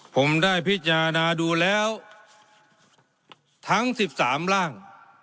ผมได้พิจารณาดูแล้วทั้ง๑๓ร่าง